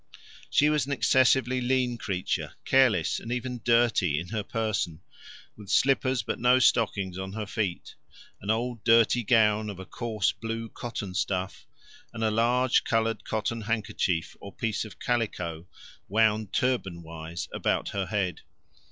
She was an excessively lean creature, careless, and even dirty in her person, with slippers but no stockings on her feet, an old dirty gown of a coarse blue cotton stuff and a large coloured cotton handkerchief or piece of calico wound turban wise about her head.